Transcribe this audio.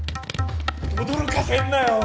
驚かせんなよ。